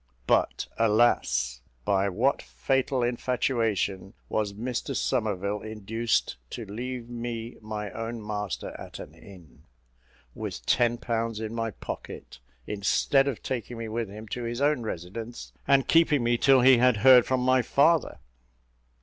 But, alas! by what fatal infatuation was Mr Somerville induced to leave me my own master at an inn, with ten pounds in my pocket, instead of taking me with him to his own residence, and keeping me till he had heard from my father?